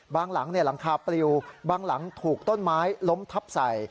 หลังหลังคาปลิวบางหลังถูกต้นไม้ล้มทับใส่